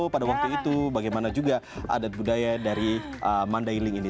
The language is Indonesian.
pada waktu itu bagaimana juga adat budaya dari mandailing ini